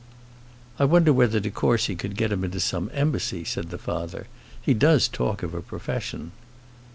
"I wonder whether de Courcy could get him into some embassy?" said the father. "He does talk of a profession."